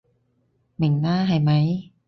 明啦係咪？